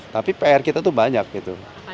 tapi pr kita tuh banyak gitu